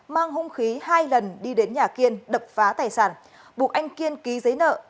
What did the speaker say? mang hung khí hai lần đi đến nhà kiên đập phá tài sản buộc anh kiên ký giấy nợ